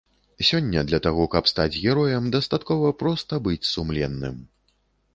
Сёння для таго, каб стаць героем, дастаткова проста быць сумленным.